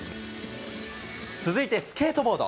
続いてスケートボード。